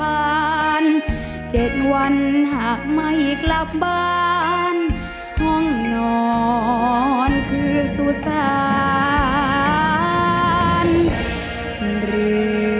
รุ่นดนตร์บุรีนามีดังใบปุ่ม